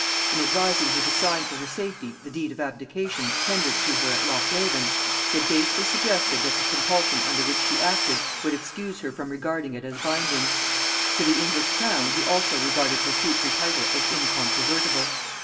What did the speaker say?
In advising her to sign for her safety the deed of abdication tendered to her at Loch Leven, he had basely suggested that the compulsion under which she acted would excuse her from regarding it as binding: to the English crown he also regarded her future title as incontrovertible.